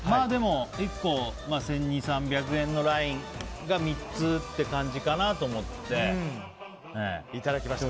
でも、１個１２００円１３００円のラインが３つって感じかなと思って。